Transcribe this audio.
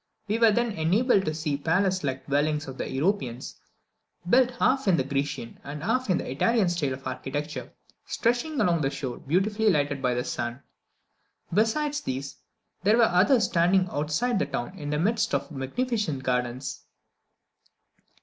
We were then enabled to see the palace like dwellings of the Europeans, built half in the Grecian and half in the Italian style of architecture, stretching along the shore and beautifully lighted by the sun. Besides these, there were others standing outside the town in the midst of magnificent gardens.